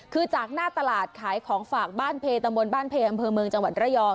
คือจากหน้าตลาดขายของฝากบ้านเพตำบลบ้านเพอำเภอเมืองจังหวัดระยอง